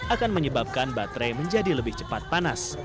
akan menyebabkan baterai menjadi lebih cepat panas